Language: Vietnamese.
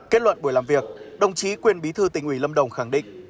kết luận buổi làm việc đồng chí quyền bí thư tỉnh ủy lâm đồng khẳng định